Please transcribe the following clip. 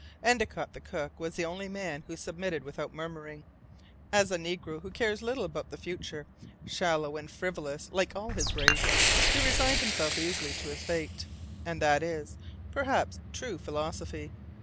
Endicott, the cook, was the only man who submitted without murmuring. As a negro, who cares little about the future, shallow and frivolous like all his race, he resigned himself easily to his fate; and this is, perhaps, true philosophy.